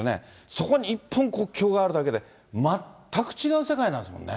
そこに一本国境があるだけで、全く違う世界なんですもんね。